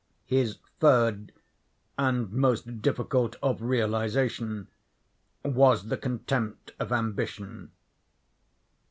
His third, and most difficult of realization, was the contempt of ambition.